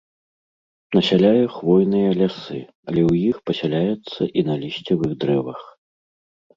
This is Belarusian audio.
Насяляе хвойныя лясы, але ў іх пасяляецца і на лісцевых дрэвах.